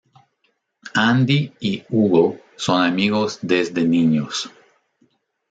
Andy y Hugo son amigos desde niños.